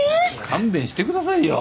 勘弁してくださいよ！